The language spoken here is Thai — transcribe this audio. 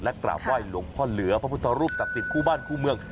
กราบไหว้หลวงพ่อเหลือพระพุทธรูปศักดิ์สิทธิคู่บ้านคู่เมือง